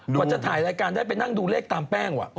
กว่าจะถ่ายรายการได้ไปนั่งดูเลขตามแป้งว่ะ